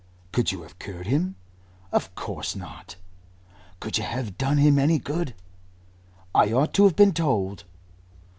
"Could you have cured him?" "Of course not." "Could you have done him any good?" "I ought to have been told."